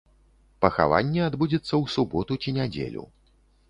Пахаванне адбудзецца ў суботу ці нядзелю.